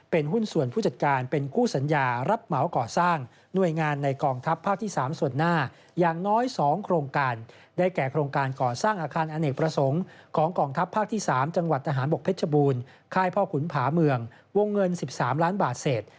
เพชรบูรณ์ค่ายพ่อขุนผาเมืองวงเงิน๑๓ล้านบาทเศษ